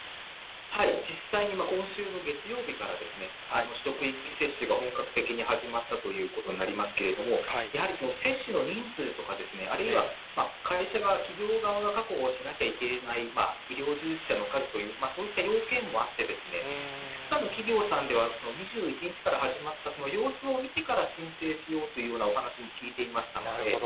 実際に今週の月曜日から、職域接種が本格的に始まったということになりますけれども、やはりその接種の人数とか、あるいは会社が、企業側が確保しなきゃいけない医療従事者の数という、そういった要件もあって、いくつかの企業さんでは、２１日から始まった様子を見てから申請しようというようなお話も聞いていましたので。